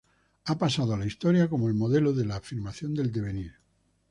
Ha pasado a la historia como el modelo de la afirmación del devenir.